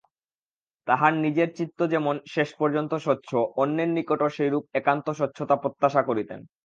তাঁহার নিজের চিত্ত যেমন শেষ পর্যন্ত স্বচ্ছ অন্যের নিকটও সেইরূপ একান্ত স্বচ্ছতা প্রত্যাশা করিতেন।